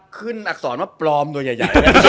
อักษรว่าปลอมตัวใหญ่